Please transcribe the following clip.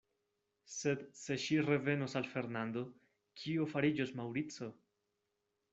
Sed se ŝi revenos al Fernando, kio fariĝos Maŭrico?